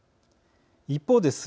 一方です